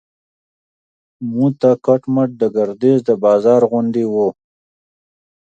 موته کټ مټ د ګردیز د بازار غوندې و.